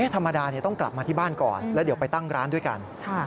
ธรรมดาต้องกลับมาที่บ้านก่อนแล้วเดี๋ยวไปตั้งร้านด้วยกัน